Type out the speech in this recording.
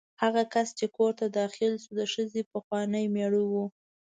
هغه کس چې کور ته داخل شو د ښځې پخوانی مېړه و.